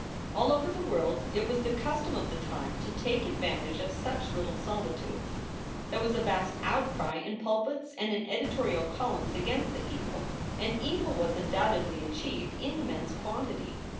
All over the world it was the custom of the time to take advantage of such little solitudes. There was a vast outcry in pulpits and in editorial columns against the evil, and evil was undoubtedly achieved in immense quantity.